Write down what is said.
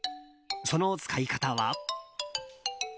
その使い方は。